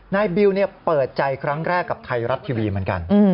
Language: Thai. บิวเปิดใจครั้งแรกกับไทยรัฐทีวีเหมือนกัน